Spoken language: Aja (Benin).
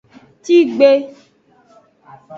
Tigbe.